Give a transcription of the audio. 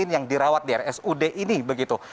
yang dirawat di rsud ini begitu